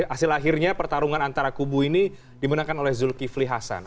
hasil akhirnya pertarungan antara kubu ini dimenangkan oleh zulkifli hasan